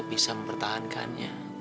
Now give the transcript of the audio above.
aku bisa mempertahankannya